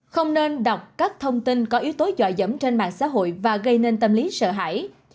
không nên đọc các thông tin có yếu tố dọa dẫm trên mạng xã hội và gây nên tâm lý sợ hãi